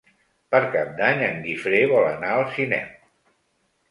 Per Cap d'Any en Guifré vol anar al cinema.